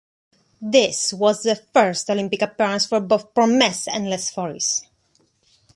This was the first Olympic appearance for both Promesse and Lesforis.